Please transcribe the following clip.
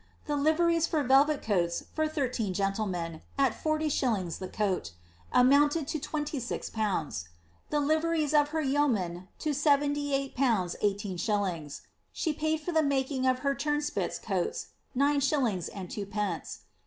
The liverie* of velvet coats for thirteen gentlemen, at forty shillings the coat, amounted to twenty six pounds; the liveries of her yeomen to 787. ]8<. She paid for the making of her turnspits' coats nine shillings and two pence.